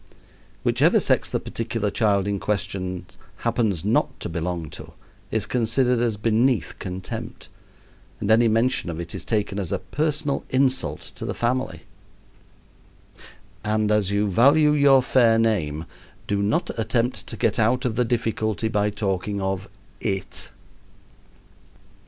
Whichever sex the particular child in question happens not to belong to is considered as beneath contempt, and any mention of it is taken as a personal insult to the family. And as you value your fair name do not attempt to get out of the difficulty by talking of "it."